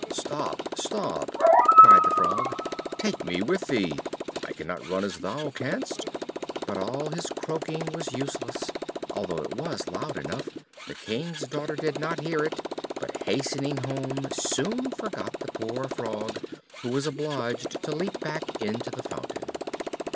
"Stop! stop!" cried the Frog; "take me with thee. I cannot run as thou canst." But all his croaking was useless; although it was loud enough, the King's daughter did not hear it, but, hastening home, soon forgot the poor Frog, who was obliged to leap back into the fountain.